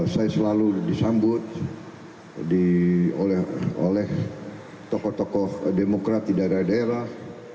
saya selalu disambut oleh tokoh tokoh demokrat di daerah daerah